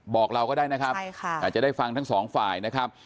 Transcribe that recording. บอกเราก็ได้นะครับอาจจะได้ฟังทั้งสองฝ่ายนะครับ